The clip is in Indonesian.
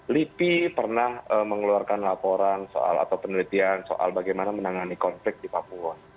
lipi pernah mengeluarkan laporan soal atau penelitian soal bagaimana menangani konflik di papua